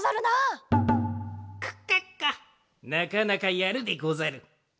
なかなかやるでござる。